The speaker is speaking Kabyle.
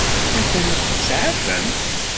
Ad ten-tseɛfem?